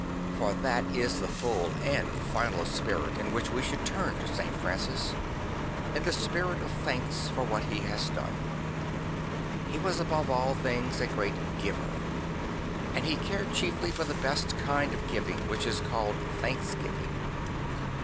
For that is the full and final spirit in which we should turn to St. Francis; in the spirit of thanks for what he has done. He was above all things a great giver; and he cared chiefly for the best kind of giving which is called thanks giving.